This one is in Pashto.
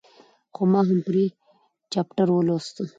خو ما هم پرې چپټر ولوست.